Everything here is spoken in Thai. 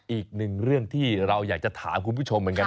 อีกหนึ่งเรื่องที่เราอยากจะถามคุณผู้ชมเหมือนกัน